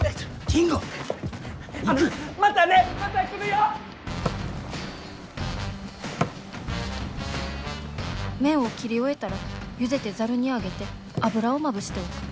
心の声麺を切り終えたらゆでてざるにあげて油をまぶしておく。